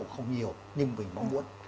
không hiểu nhưng mình mong muốn